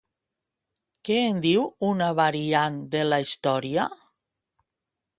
Què en diu una variant de la història?